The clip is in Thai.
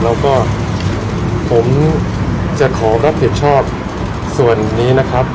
แล้วก็ผมจะขอรับผิดชอบส่วนนี้นะครับ